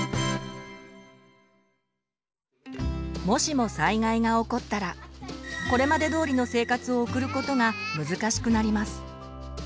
もしも災害が起こったらこれまでどおりの生活を送ることが難しくなります。